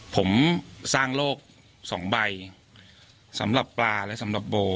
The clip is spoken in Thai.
ผมสร้างโลกสองใบสำหรับปลาและสำหรับโบ